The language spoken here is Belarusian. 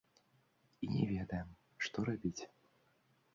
І не ведаем, што рабіць.